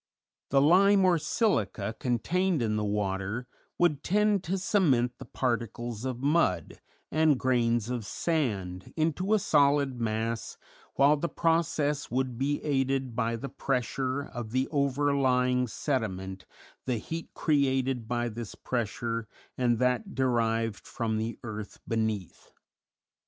The lime or silica contained in the water would tend to cement the particles of mud and grains of sand into a solid mass, while the process would be aided by the pressure of the overlying sediment, the heat created by this pressure, and that derived from the earth beneath.